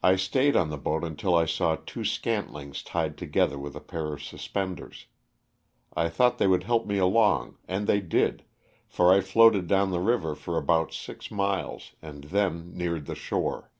I stayed on the boat until I saw two scantlings tied to gether with a pair of suspenders, I thought they would help me along and they did, for I floated down the river for about six miles and then neared the shore.